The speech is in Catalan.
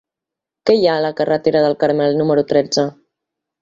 Què hi ha a la carretera del Carmel número tretze?